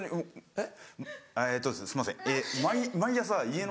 えっ！